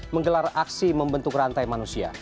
menggelar aksi membentuk rantai manusia